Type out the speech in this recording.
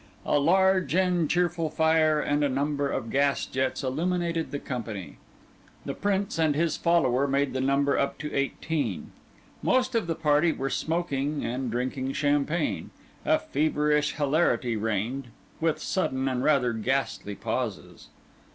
A large and cheerful fire and a number of gas jets illuminated the company. The Prince and his follower made the number up to eighteen. Most of the party were smoking, and drinking champagne; a feverish hilarity reigned, with sudden and rather ghastly pauses.